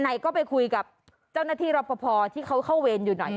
ไหนก็ไปคุยกับเจ้าหน้าที่รับประพอที่เขาเข้าเวรอยู่หน่อย